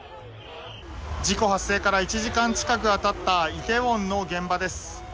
事故発生から１時間近くが経ったイテウォンの現場です。